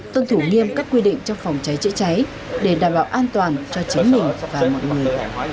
tuân thủ nghiêm các quy định trong phòng cháy chữa cháy để đảm bảo an toàn cho chính mình và mọi người